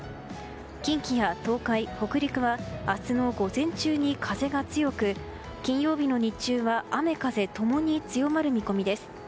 近畿や東海・北陸は明日の午前中に風が強く金曜日の日中は雨風共に強まる見込みです。